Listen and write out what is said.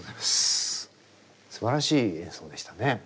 すばらしい演奏でしたね。